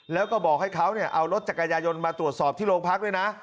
แล้วก็บอกให้เขาเอารถจักรยายนมาตรวจสอบที่โรงพักด้วยนะ